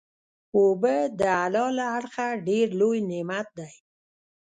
اوبه د الله له اړخه ډیر لوئ نعمت دی